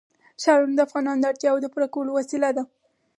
ښارونه د افغانانو د اړتیاوو د پوره کولو وسیله ده.